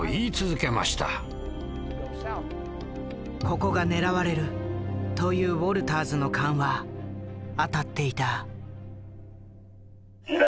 「ここが狙われる」というウォルターズの勘は当たっていた。